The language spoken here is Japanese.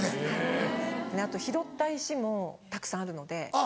あと拾った石もたくさんあるので。